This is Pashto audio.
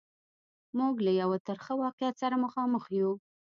موږ له یوه ترخه واقعیت سره مخامخ یو.